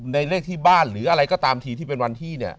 เลขที่บ้านหรืออะไรก็ตามทีที่เป็นวันที่เนี่ย